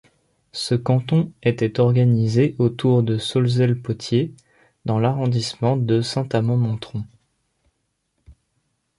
Ce canton était organisé autour de Saulzais-le-Potier dans l'arrondissement de Saint-Amand-Montrond.